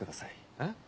えっ？